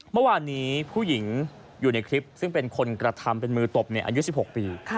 เมื่อวานนี้ผู้หญิงอยู่ในคลิปซึ่งเป็นคนกระทำเป็นมือตบอายุ๑๖ปี